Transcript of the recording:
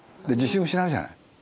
で自信を失うじゃない。